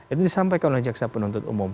itu disampaikan oleh jaksa penuntut umum